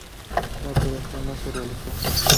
La operación no se realizó.